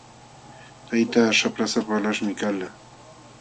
Taytaa shaprasapa walaśhmi kalqa.